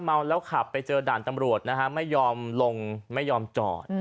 เมาแล้วขับไปเจอด่านตำรวจนะฮะไม่ยอมลงไม่ยอมจอด